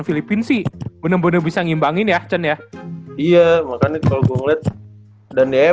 filipina sih bener bener bisa ngimbangin ya iya makanya kalau gue lihat dan ya